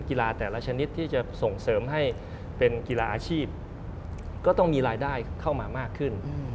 กีฬาแต่ละชนิดที่จะส่งเสริมให้เป็นกีฬาอาชีพก็ต้องมีรายได้เข้ามามากขึ้น